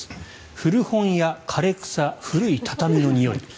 古本屋、枯れ草古い畳のくさい。